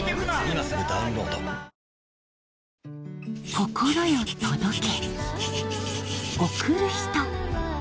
心よ届け